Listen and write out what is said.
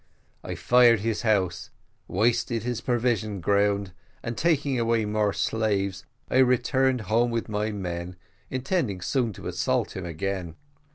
I fired his house, wasted his provision ground, and taking away more slaves, I returned home with my men, intending soon to assault him again.